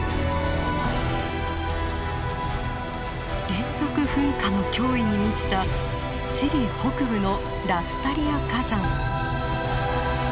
連続噴火の脅威に満ちたチリ北部のラスタリア火山。